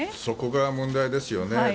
そこが問題ですよね。